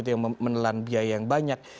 yang menelan biaya yang banyak